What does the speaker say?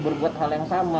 berbuat hal yang sama